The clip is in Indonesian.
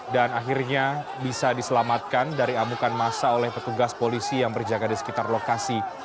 akhirnya bisa diselamatkan dari amukan masa oleh petugas polisi yang berjaga di sekitar lokasi